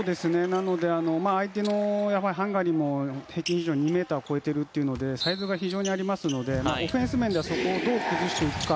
相手のハンガリーも平均で２ｍを超えているというのでサイズが非常にありますのでオフェンス面ではそこをどう崩していくか。